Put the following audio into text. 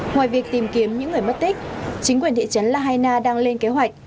ngoài việc tìm kiếm những người mất tích chính quyền thị trấn lahaina đang lên kế hoạch